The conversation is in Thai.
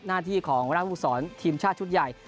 หน้าที่ของหัวหน้าภูมิสอนทีมชาติชุดใหญ่